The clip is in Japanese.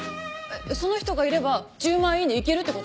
その人がいれば１０万イイネいけるってこと？